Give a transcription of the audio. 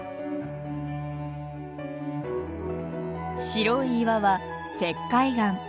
白い岩は石灰岩。